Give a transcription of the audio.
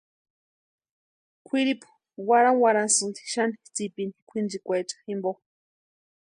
Kwʼiripu warhawarhasïnti xani tsipini kwʼinchikwaecha jimpo.